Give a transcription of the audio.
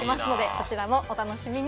そちらもお楽しみに！